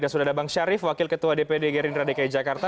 dan sudah ada bang syarif wakil ketua dprd gerindra dki jakarta